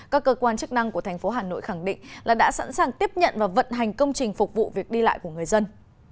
các cơ quan chức năng của thành phố hà nội khẳng định là đã sẵn sàng tiếp nhận và vận hành công trình phục vụ việc đi lại của người dân